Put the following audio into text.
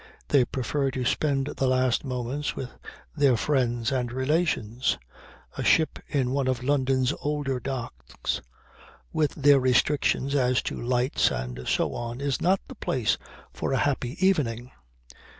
They prefer to spend the last moments with their friends and relations. A ship in one of London's older docks with their restrictions as to lights and so on is not the place for a happy evening.